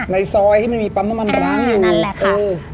ในซอยที่มันมีปั๊มน้ำมันล้างอยู่